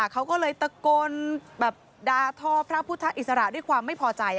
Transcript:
ใช่ค่ะเขาก็เลยตะโกนดาทอพระพุทธศาสตร์อิสระด้วยความไม่พอใจ